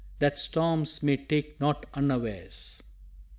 that storms may take not unawares!"